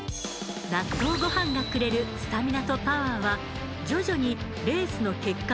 納豆ゴハンがくれるスタミナとパワーは徐々にレースの結果を変えていきます。